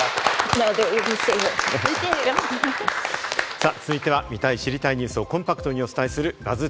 さぁ続いては見たい知りたいニュースをコンパクトにお伝えするＢＵＺＺ